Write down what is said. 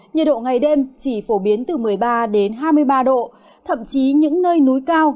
nhiệt độ ngày đêm chỉ phổ biến từ một mươi ba hai mươi ba độ thậm chí những nơi núi cao